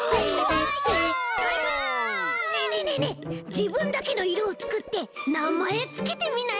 じぶんだけのいろをつくってなまえつけてみない？